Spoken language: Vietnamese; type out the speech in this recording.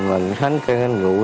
mình thánh cây ngay rượu